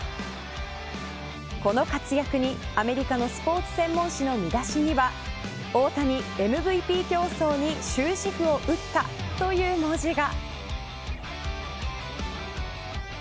この活躍に、アメリカのスポーツ専門誌の見出しには大谷ＭＶＰ競争に終止符を打ったという文字が。